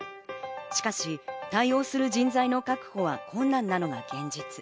しかし、対応する人材の確保は困難なのが現実。